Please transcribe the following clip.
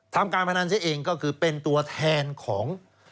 ทำการพนันซะเองก็คือเป็นตัวแทนของ